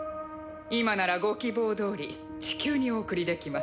今ならご希望どおり地球にお送りできます。